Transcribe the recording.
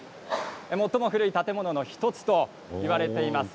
最も古い建物の１つといわれております。